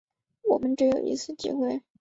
我们只有一次机会